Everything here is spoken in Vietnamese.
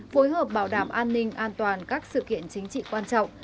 phối hợp bảo đảm an ninh an toàn các sự kiện chính trị quan trọng